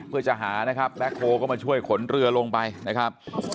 เพื่อจะหานะครับแบ็คโฮก็มาช่วยขนเรือลงไปนะครับ